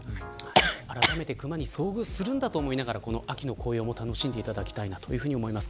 あらためてクマに遭遇するんだと思いながら秋の紅葉も楽しんでもらいたいと思います。